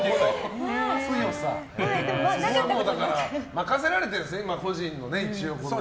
任せられてるんですね、個人に。